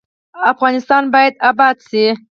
افغانستان باید اباد شي